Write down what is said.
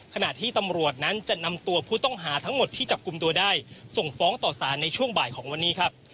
ขณะที่ตำรวจนั้นจะนำตัวผู้ต้องหาทั้งหมดที่จับกลุ่มตัวได้ส่งฟ้องต่อสารในช่วงบ่ายของวันนี้ครับ